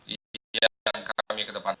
ini yang kami kedepan